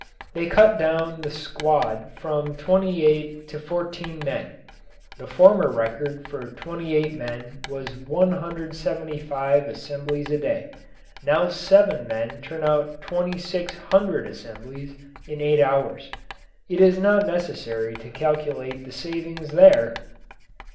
They cut down the squad from twenty eight to fourteen men. The former record for twenty eight men was one hundred seventy five assemblies a day. Now seven men turn out twenty six hundred assemblies in eight hours. It is not necessary to calculate the savings there!